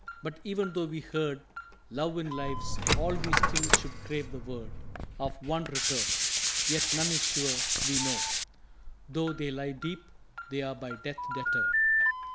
but even though we heard Love in Life's All we still should crave the word Of one returned. Yet none is sure, we know, Though they lie deep, they are by Death deterred."